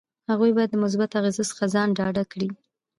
هغوی باید د مثبتو اغیزو څخه ځان ډاډه کړي.